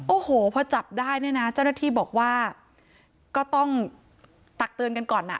โอ้โหพอจับได้เนี่ยนะเจ้าหน้าที่บอกว่าก็ต้องตักเตือนกันก่อนอ่ะ